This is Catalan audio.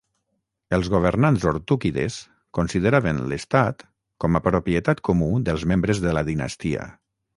Els governants ortúkides consideraven l'estat com a propietat comú dels membres de la dinastia.